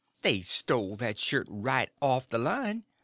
They stole that shirt right off o' the line!